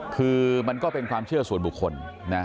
คือมันก็เป็นความเชื่อส่วนบุคคลนะ